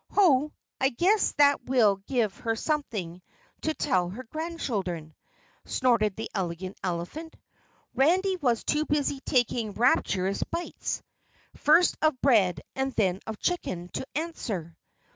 "Ho, I guess that will give her something to tell her grandchildren!" snorted the Elegant Elephant. Randy was too busy taking rapturous bites, first of bread and then of chicken, to answer.